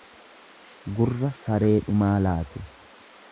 Gurra sareedhumaa laatu.